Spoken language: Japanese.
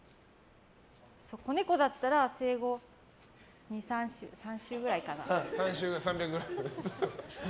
子猫だったら生後２３週ぐらいかな。